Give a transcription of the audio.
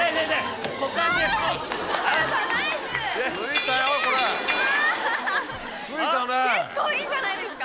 結構いいんじゃないですか。